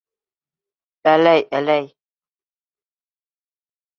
Әләй, әләй!